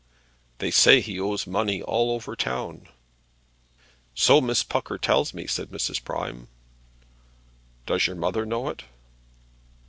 "They say he owes money all over the town." "So Miss Pucker tells me," said Mrs. Prime. "Does your mother know it?"